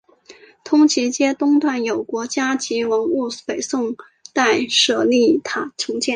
通济街东段有国家级文物北宋代舍利塔重建。